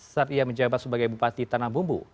saat ia menjabat sebagai bupati tanah bumbu